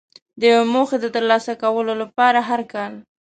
د یوې موخې د ترلاسه کولو لپاره هر کال.